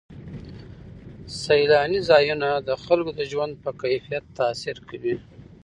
سیلاني ځایونه د خلکو د ژوند په کیفیت تاثیر کوي.